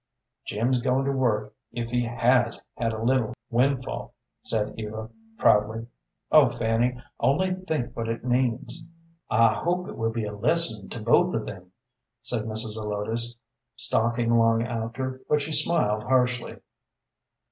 "Jim's goin' to work if he has had a little windfall," said Eva, proudly. "Oh, Fanny, only think what it means!" "I hope it will be a lesson to both of them," said Mrs. Zelotes, stalking along after, but she smiled harshly.